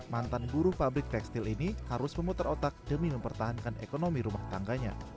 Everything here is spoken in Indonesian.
mantan buruh pabrik tekstil ini harus memutar otak demi mempertahankan ekonomi rumah tangganya